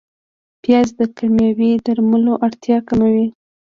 پیاز د کیمیاوي درملو اړتیا کموي